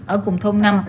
ở cùng thôn năm